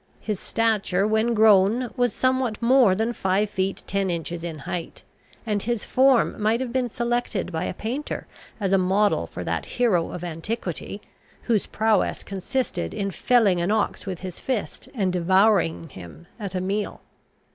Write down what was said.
His stature, when grown, was somewhat more than five feet ten inches in height, and his form might have been selected by a painter as a model for that hero of antiquity, whose prowess consisted in felling an ox with his fist, and devouring him at a meal.